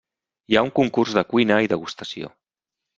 Hi ha un concurs de cuina i degustació.